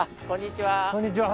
こんにちは。